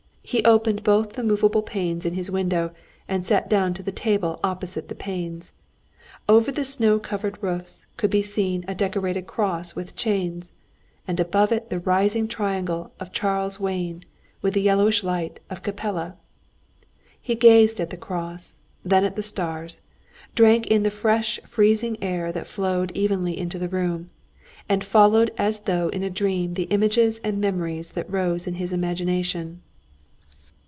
He opened both the movable panes in his window and sat down to the table opposite the open panes. Over the snow covered roofs could be seen a decorated cross with chains, and above it the rising triangle of Charles's Wain with the yellowish light of Capella. He gazed at the cross, then at the stars, drank in the fresh freezing air that flowed evenly into the room, and followed as though in a dream the images and memories that rose in his imagination.